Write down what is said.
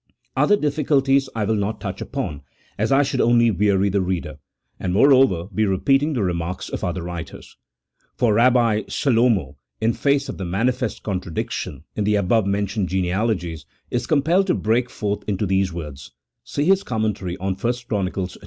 Other difficulties I will not touch upon, as I should only weary the reader, and, moreover, be repeating the remarks of other writers. For R. Selomo, in face of the manifest contradiction in the above mentioned genealogies, is com pelled to break forth into these words (see his commentary on 1 Chron. viii.)